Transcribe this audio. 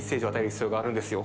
必要があるんですよ